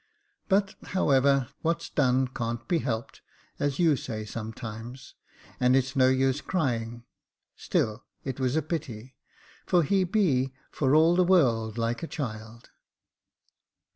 But, however, what's done can't be helped, as you say sometimes ; and it's no use crying ; still it was a pity, for he be, for all the world, like a child.